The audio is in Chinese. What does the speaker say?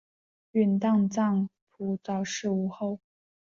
允丹藏卜早逝无后。